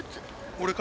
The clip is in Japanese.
俺か？